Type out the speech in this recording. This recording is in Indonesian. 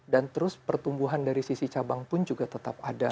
dan terus pertumbuhan dari sisi cabang pun juga tetap ada